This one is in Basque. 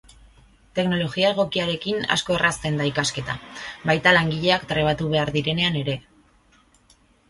Teknologia egokiarekin asko errazten da ikasketa, baita langileak trebatu behar direnean ere.